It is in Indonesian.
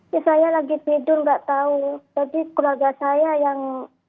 ya saya lagi tidur nggak tahu jadi keluarga saya yang